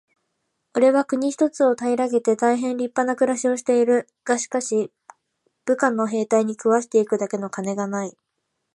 「おれは国一つを平げて大へん立派な暮しをしている。がしかし、部下の兵隊に食わして行くだけの金がない。」